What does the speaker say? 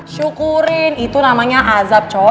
syukurin itu namanya azab coba